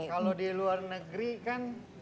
kalau di luar negeri kan